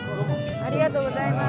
ありがとうございます。